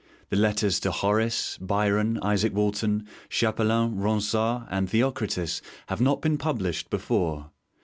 The Letters to Horace, Byron, Isaak Walton, Chapelain, Ronsard, and Theocritus have not been published before.